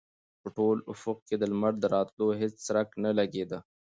په ټول افق کې د لمر د راوتلو هېڅ څرک نه لګېده.